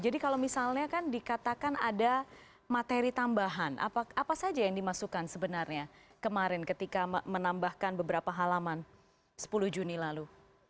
jadi kalau misalnya kan dikatakan ada materi tambahan apa saja yang dimasukkan sebenarnya kemarin ketika menambahkan beberapa halaman sepuluh juni lalu